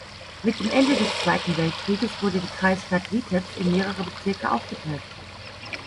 Mit dem Ende des Zweiten Weltkrieges wurde die Kreisstadt Vitez in mehrere Bezirke aufgeteilt.